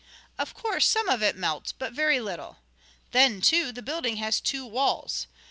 Of course some of it melts, but very little. Then, too, the building has two walls.